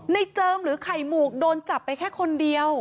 เจิมหรือไข่หมูกโดนจับไปแค่คนเดียว